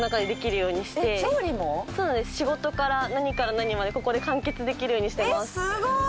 仕事から何から何までここで完結できるようにしてますすごい！